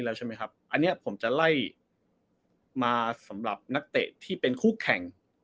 แล้วใช่ไหมครับอันนี้ผมจะไล่มาสำหรับนักเตะที่เป็นคู่แข่ง